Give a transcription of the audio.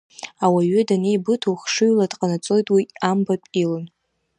Ауаҩы данеибыҭоу хшыҩла, дҟанаҵоит уи амбатә илан.